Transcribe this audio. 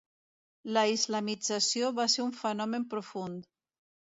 La islamització va ser un fenomen profund.